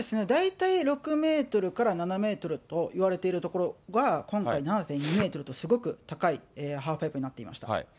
大体６メートルから７メートルといわれているところが、今回、７．２メートルと、すごく高いハーフパイプになっていました。